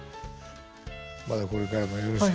またこれからもよろしく。